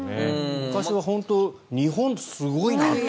昔は本当、日本すごいなって。